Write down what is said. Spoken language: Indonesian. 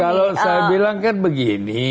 kalau saya bilang kan begini